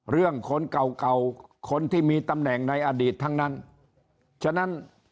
เรื่องคนเก่าคนที่มีตำแหน่งในอดีตทั้งนั้น